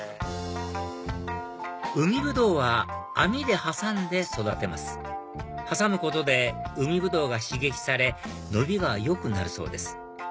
海ぶどうは網で挟んで育てます挟むことで海ぶどうが刺激され伸びがよくなるそうです